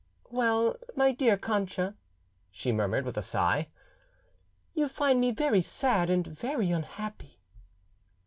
"Well, my dear Cancha," she murmured, with a sigh, "you find me very sad and very unhappy!"